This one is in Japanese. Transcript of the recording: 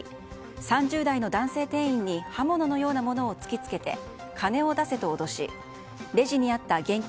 ３０代の男性店員に刃物のようなものを突き付けて金を出せと脅しレジにあった現金